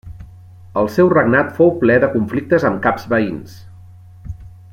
El seu regnat fou ple de conflictes amb caps veïns.